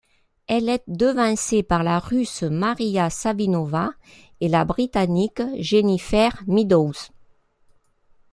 Elle est devancée par la Russe Mariya Savinova et la Britannique Jennifer Meadows.